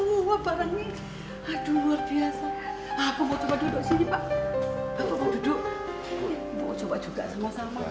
oh aduh bapak bagus bagus semua barangnya